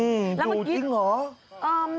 อื้อดูจริงหรอ